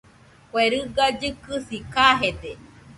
Kue riga llɨkɨsi kajede.